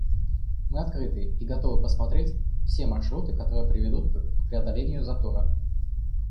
Мы открыты и готовы посмотреть все маршруты, которые приведут к преодолению затора.